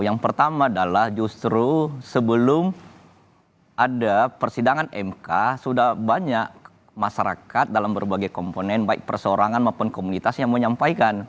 yang pertama adalah justru sebelum ada persidangan mk sudah banyak masyarakat dalam berbagai komponen baik persorangan maupun komunitas yang menyampaikan